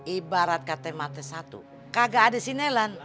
ibarat kata kata satu kagak ada si nelan